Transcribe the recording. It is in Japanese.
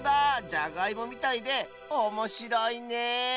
じゃがいもみたいでおもしろいね